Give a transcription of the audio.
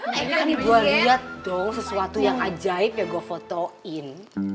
nah ini gue lihat dong sesuatu yang ajaib yang gue fotoin